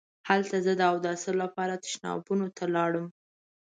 هلته زه د اوداسه لپاره تشنابونو ته لاړم.